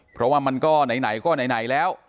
เพราะว่ามันก็ไหนก็ไหนแล้ว